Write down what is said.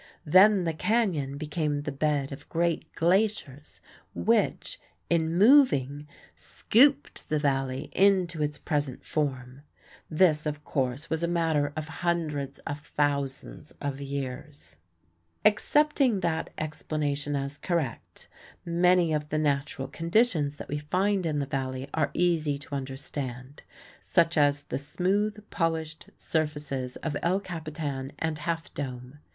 Then the canyon became the bed of great glaciers which, in moving, "scooped" the Valley into its present form. This, of course, was a matter of hundreds of thousands of years. [Illustration: Photograph by A. C. Pillsbury EVENING PRIMROSES Half Dome at the back] Accepting that explanation as correct, many of the natural conditions that we find in the Valley are easy to understand such as the smooth polished surfaces of El Capitan and Half Dome.